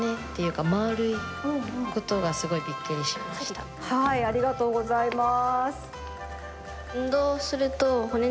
カラダのはいありがとうございます。